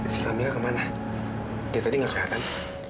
si kamila kemana dia tadi nggak kelihatan